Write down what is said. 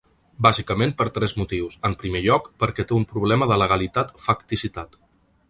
Bàsicament per tres motius: en primer lloc, perquè té un problema de legalitat-facticitat.